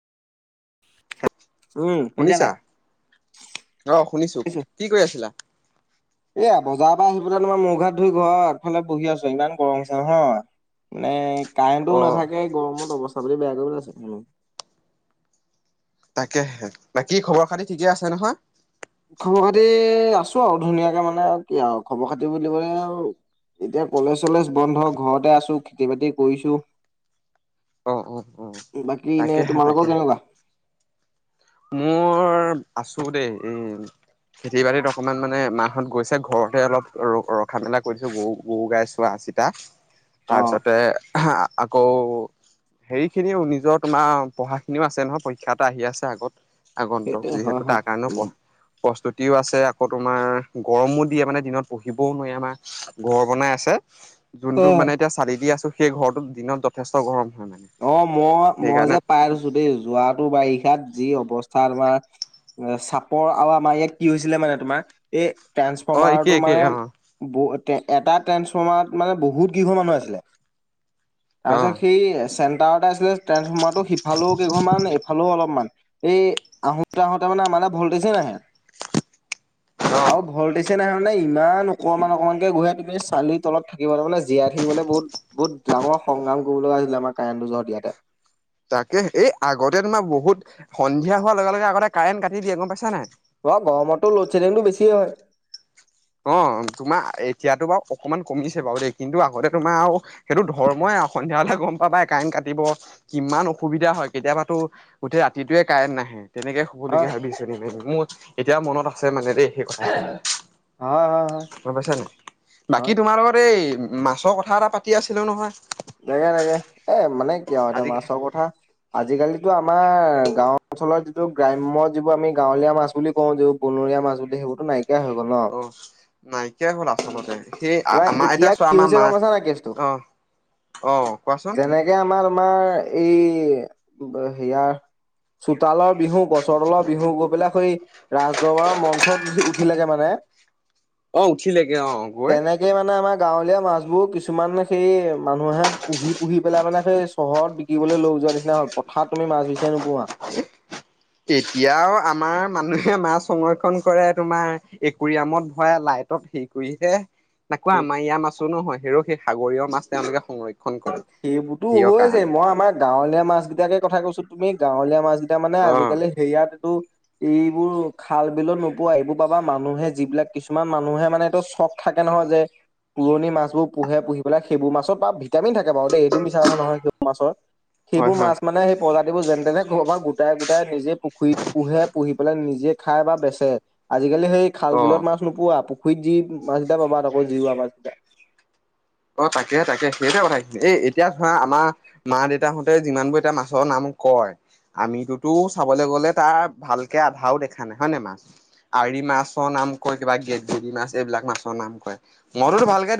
উম, [unintelligible] শুনিছা নাই? অ, শুনিছোঁ! শুনিছো কি কৰি আছিলা? এয়া, বজাৰ পা আহি পেলাই তোমাৰ মুখ-ঘাট ধুই ঘৰৰ আকফালে বহি আছোঁ, ইমান গৰম হৈছে নহয়! নে, অ কাৰেণ্টটোও নাথাকে! গৰমত অৱস্থা-পাতি বেয়া কৰি পেলাইছে। [unintelligible] তাকেহে, বাকী সবৰ সাতি ঠিকে আছে নহয় খবৰ-খাতি‌ আছোঁ আওঁ, ধুনীয়াকে মানে কি আওঁ, খবৰ-খাতি বুলিবলে আৰু এতিয়া কলেজ-চলেজ বন্ধ, ঘৰতে আছো, খেতি-বাতি কৰিছো। অ অ অ বাকী এনে, তাকেহে তোমালোক তাকেহে কেনেকুৱা? মোৰ আছোঁ দে, এ খেতি-বাতিত অকণমান মানে মাহত গৈছে, ঘৰতে অলপ ৰ-ৰখা-মেলা [unintelligible] গৰু-গৰু-গাই চোৱা-চিত [unintelligible] অ তাৰপিছতে [unintelligible] আকৌ হেৰিখিনিও নিজৰ, তোমাৰ পঢ়াখিনিও আছে নহয়, পৰীক্ষা এটা আহি আছে আগত। আগন্তক সেইটোৱে হয় যিহেতু, হয় তাৰ কাৰণেও উম। পঢ়। প্ৰস্তুতিও আছে, আকৌ তোমাৰ গৰমো দিয়ে মানে, দিনত পহিবও নোৱাৱি আমা ঘৰ বনাই আছে, যোনটো মানে এতিয়া চালি দি আছোঁ, সেই ঘৰটোত দিনত যথেষ্ট গৰম হয় মানে। অ, মই, মই সেইকাৰণে যে পাই [unintelligible] দেই যোৱাত। বাৰিষাত যি অৱস্থা তোমাৰ, চাপৰ আৰু আমাৰ ইয়াত কি হৈছিলে মানে তোমাৰ এ অ একেই ট্ৰেন্সফৰ্মাৰটো একেই মানে অ [unintelligible] এটা ট্ৰেন্সফৰ্মাৰত মানে বহুত গীঘ মানুহ আছিলে। অ তাৰ পিছত সি চেণ্টাৰতে [unintelligible] ট্ৰান্সফৰ্মাৰটো সিফালেও কেইঘমান, এইফালেও অলপমান। এই আহোঁতে, আহোঁতে মানে, মানে ভল্টেজে নাহে। অ আৰু ভল্টেজ [unintelligible] নে ইমান অকমান-অকণমানকে ঘূহে, তুমি চালি তলত থাকিবলে, মানে জীয়াই থাকিবলে বহুত বহুত ডাঙৰ সংগ্ৰাম কৰিবলগা হৈছিলে, আমাৰ কাৰেণ্টটো [unintelligible] ইয়াতে। তাকেহে, এই আগতে তোমাৰ বহুত সন্ধিয়া হোৱা লগে লগে আগতে কাৰেণ্ট কাটি দিয়ে, গম পাইছা নাই? অ', গৰমততো ল'ডশ্বেডিংটো বেছিয়ে হয়। অ', তোমা এতিয়াতো বাৰু অকমান কমিছে বাৰু দেই, কিন্তু আগতে তোমাৰ আৰু সেইটো ধৰ্মই আওঁ সন্ধিয়া হ'লে গম পাবাই, কায়েন কাটিব। কিমান অসুবিধা হয়, কেতিয়াবাতো গোটেই ৰাতিটোয়ে কাৰেণ্ট নাহে। তেনেকে হোবলগীয়া হয়, বিচনী মাৰি মাৰি মোৰ এতিয়া মনত আছে মানে দেই সেই কথা [inaudible] হ-হ‌ হয়। [unintelligible] পাইছা নাই? হয় বাকী তোমাৰ লগত এই মাছৰ কথা এটা পাতি আছিলোঁ নহয়। [unintelligible] [unintelligible] এ মানে কিয় আওঁ এতিয়া আজি মাছৰ কথা আজিকালিতো আমাৰ গাঁও অঞ্চলৰ যিটো গ্ৰাম্য, যিবোৰ আমি গাঁৱলীয়া মাছ বুলি কওঁ, [unintelligible] বনৰীয়া মাছ বুলি সেইবোৰতো নাইকিয়া হৈ গ'ল, ন? নাইকিয়া হ'ল আচলতে। সে তোমাৰ আ-আমা আয়তা এতিয়া চোৱা কি আমা হৈছে মা গম পাইছা নাই কেছটো অহ, অ', কোৱাচোন। [unintelligible] আমাৰ, তোমাৰ এই হেয়াৰ চোতালৰ বিহু, গছৰ তলৰ বিহু গৈ পেলাই সেই ৰাজদৰবাৰৰ মঞ্চত উঠি-উঠিলেগে মানে। অ' উঠিলেগে অ'। গৈ তেনেকে মানে আমাৰ গাঁৱলীয়া মাছবোৰ, কিছুমান সেই মানুহে পুহি, পুহি পেলাই মানে সেই চহৰত বিকিবলৈ লৈই যোৱা নিচিনা হ'ল, পথাত তুমি মাছ বিচায়ি নোপোৱা। এতিয়াও আমাৰ মানুহে মাছ সংৰক্ষণ কৰে, তোমাৰ একুৰিয়ামত ভৰায় লাইটত [unintelligible] [unintelligible] তাকো আমা ইয়াৰ মাছো নহয়, হেৰৌ সেই সাগৰীয় মাছ তেওঁলোকে সংৰক্ষ সেইবোৰতো [unintelligible] মই আমাৰ গাঁৱলীয়া মাছ কেইটাকে কথা কৈছো, তুমি গাঁৱলীয়া মাছ কেইটা, মানে অ আজিকালি সেয়াত এইটো এইবোৰ খাল-বিলত নোপোৱা, এইবোৰ পাবা মানুহে যিবিলাক কিছুমান মানুহে মানে এইটো চক থাকে নহয় যে পুৰণি মাছবোৰ পোহে, পুহি পেলাই সেইবোৰ মাছ‌ পা ভিটামিন থাকে [unintelligible] বাৰু দেই এইটো মিছা কথা নহয় [unintelligible] মাছৰ, হয় সেইবোৰ হয় মাছ মানে প্ৰজাতিবোৰ যেন তেনে ক'বাপা গোটাই গোটাই নিজে পুখুৰী পুহে পুহি পেলাই নিজে খাই বা বেচে। আজিকালি সেই খাল অ বিলত মাচ নোপোৱা পুখুৰীত যি মাছগিটা পাবা তাকো জিওৱা মাছকেইটা। অ', তাকে তাকে সেইটোৱে কথা এই এতিয়া ধৰা আমাৰ মা দেউতাহঁতে যিমানবোৰ এতিয়া মাছৰ নাম কয় আমিতোতো চাবলৈ গলে তাৰ ভালকে আধাও দেখা নাই হয় নে মাছ? আৰি মাছৰ নাম কয় কিবা গেগেৰি মাছ এইবিলাক মাছৰ নাম কয় মইতোতো ভালকে